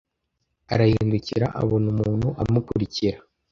Arahindukira abona umuntu amukurikira.